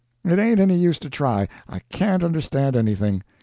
it ain't any use to try I can't understand anything.